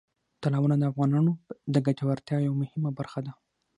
تالابونه د افغانانو د ګټورتیا یوه مهمه برخه ده.